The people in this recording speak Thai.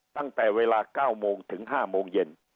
ตั้งแต่เวลา๙โมงถึง๕โมงเย็น